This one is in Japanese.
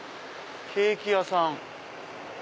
ケーキ屋さん。